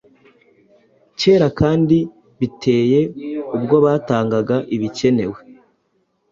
Kera kandi biteye ubwobatanga ibikenewe